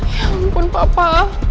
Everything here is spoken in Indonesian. ya ampun papa